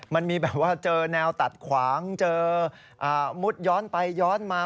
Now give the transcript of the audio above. มันมีแบบว่าเจอแนวตัดขวางเจอมุดย้อนไปย้อนมา